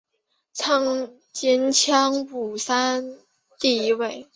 镰仓五山第一位。